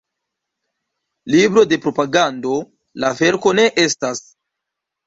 Libro de propagando la verko ne estas.